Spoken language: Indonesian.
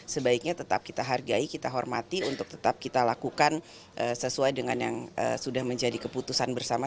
sebaiknya tetap kita hargai kita hormati untuk tetap kita lakukan sesuai dengan yang sudah menjadi keputusan bersama